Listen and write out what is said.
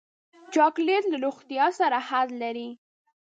چاکلېټ له روغتیا سره حد لري.